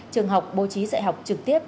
trường học bố trí dạy học trực tiếp